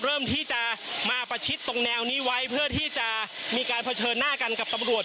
เริ่มที่จะมาประชิดตรงแนวนี้ไว้เพื่อที่จะมีการเผชิญหน้ากันกับตำรวจ